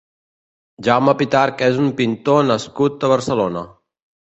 Jaume Pitarch és un pintor nascut a Barcelona.